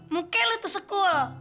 muka lo tuh sekul